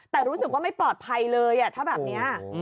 แต่รู้สึกว่าไม่ปลอดภัยเลยถ้าแบบนี้